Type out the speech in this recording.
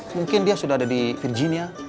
mungkin dia sudah ada di virginia